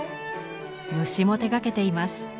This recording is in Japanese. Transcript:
虫も手がけています。